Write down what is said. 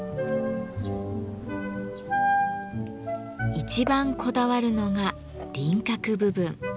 一番こだわるのが輪郭部分。